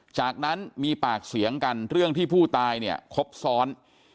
จากนั้นมีปากเสียงกันเรื่องที่ผู้ตายเนี่ยครบซ้อน